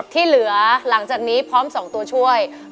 ที่เหลือหลังจากนี้พร้อม๒ตัวช่วย